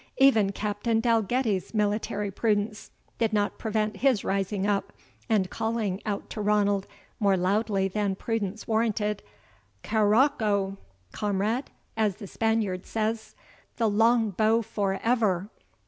Even Captain Dalgetty's military prudence did not prevent his rising up, and calling out to Ranald, more loud than prudence warranted, "CAROCCO, comrade, as the Spaniard says! The long bow for ever!